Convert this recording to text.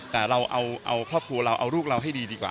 แต่เราเอาครอบครัวเราเอาลูกเราให้ดีดีกว่า